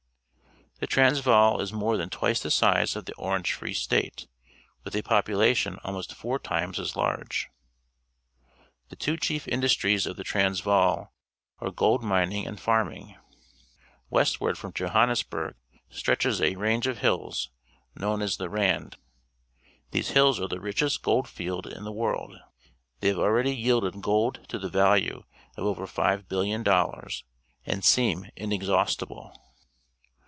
— The Transvaal is more than twice the size of the Orange Free State, with a population almost four times as large. The two cliief industries of the Transvaal are gold mjuing and farmin g. Westward from Johannesburg stretches a range of hills, known as the Rand. These liills are the richest gold field in the world. They have already yielded gold to the value of over five bilhon dollars, and seem inexhaustible.